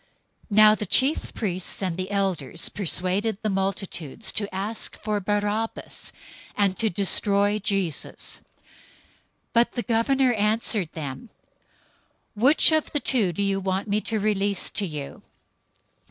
027:020 Now the chief priests and the elders persuaded the multitudes to ask for Barabbas, and destroy Jesus. 027:021 But the governor answered them, "Which of the two do you want me to release to you?"